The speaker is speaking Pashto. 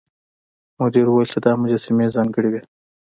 مدیر وویل چې دا مجسمې ځانګړې وې.